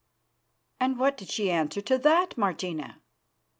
"And what did she answer to that, Martina?"